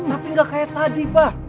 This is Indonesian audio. tapi nggak kayak tadi pak